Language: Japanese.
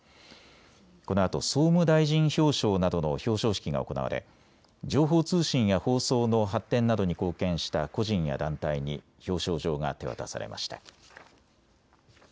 このあと総務大臣表彰などの表彰式が行われ情報通信や放送の発展などに貢献した個人や団体に表彰状が手渡されました。